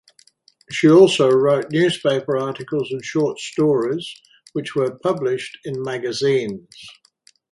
She also wrote newspaper articles and short stories which were published in magazines.